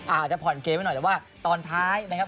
อาจจะผ่อนเกมไว้หน่อยแต่ว่าตอนท้ายนะครับ